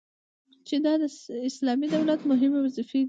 چي دا د اسلامي دولت مهمي وظيفي دي